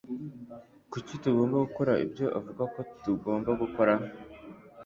Kuki tugomba gukora ibyo avuga ko tugomba gukora?